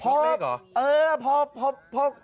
พอเออพอพา